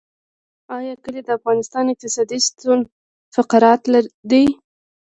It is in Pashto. آیا کلي د افغانستان اقتصادي ستون فقرات دي؟